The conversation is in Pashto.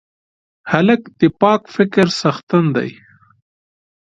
هلک د پاک فکر څښتن دی.